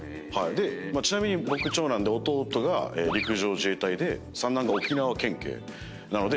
ちなみに僕長男で弟が陸上自衛隊で三男が沖縄県警なので。